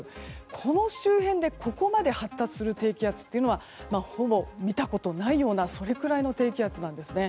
この周辺でここまで発達する低気圧というのはほぼ見たことがないようなそれくらいの低気圧なんですね。